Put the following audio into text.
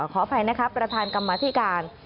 ขออภัยนะคะประธานกรรมธิการ